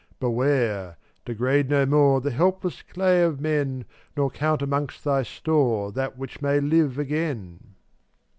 Beware! Degrade no more The helpless clay of men, Nor count amongst thy store That which may live again.